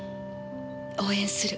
応援する。